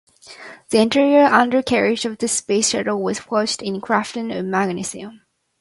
The entire undercarriage of the space shuttles was forged in Grafton of magnesium.